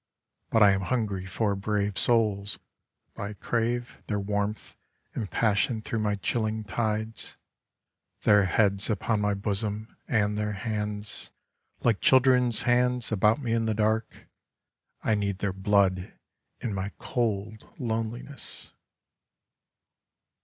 But I am hungry for brave souls ; I crave Their warmth and passion through my chilling tides; Their heads upon my bosom, and their hands. Like children's hands, about me in the dark. I need their blood in my cold loneliness."